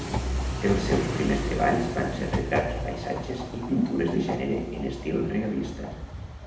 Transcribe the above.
Els seus primers treballs van ser retrats, paisatges i pintures de gènere en estil realista.